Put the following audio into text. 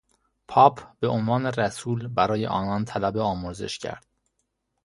پاپ به عنوان رسول برای آنان طلب آمرزش کرد.